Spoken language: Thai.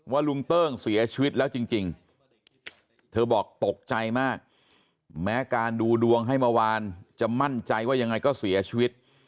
ลุงเติ้งเสียชีวิตแล้วจริงเธอบอกตกใจมากแม้การดูดวงให้เมื่อวานจะมั่นใจว่ายังไงก็เสียชีวิต